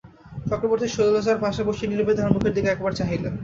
চক্রবর্তী শৈলজার পাশে বসিয়া নীরবে তাহার মুখের দিকে একবার চাহিলেন।